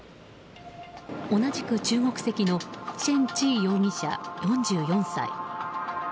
同じく中国籍のシェン・チー容疑者、４４歳。